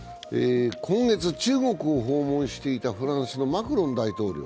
今月中国を訪問していたフランスのマクロン大統領。